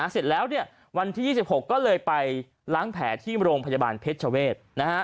เสร็จแล้ววันที่๒๖ก็เลยไปล้างแผลที่โรงพยาบาลเพชรเวศ